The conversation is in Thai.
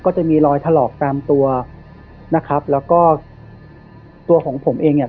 จะมีรอยถลอกตามตัวนะครับแล้วก็ตัวของผมเองเนี่ย